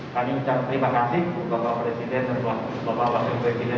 kami ucapkan terima kasih bapak presiden dan bapak wakil presiden